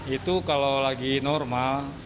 itu kalau lagi normal